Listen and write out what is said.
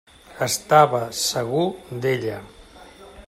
Estava segur d'ella.